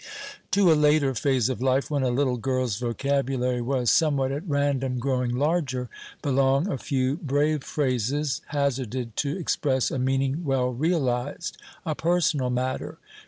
To a later phase of life, when a little girl's vocabulary was, somewhat at random, growing larger, belong a few brave phrases hazarded to express a meaning well realized a personal matter.